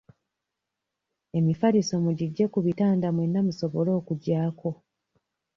Emifaaliso mugiggye ku bitanda mwenna musobole okugyako.